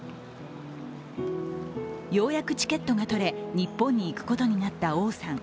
ようやくチケットがとれ日本に行くことになった王さん。